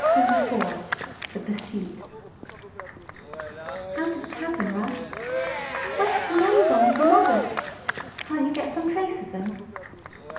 CHAPTER XXIV THE PURSUIT "How did it happen, Russ?" "Where have the men gone with the model?" "Can't you get some trace of them?"